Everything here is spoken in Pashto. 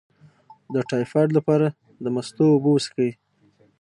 د ټایفایډ لپاره د مستو اوبه وڅښئ